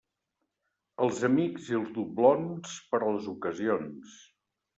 Els amics i els doblons, per a les ocasions.